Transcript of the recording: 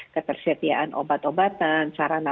ketersediaan obat obatan sarana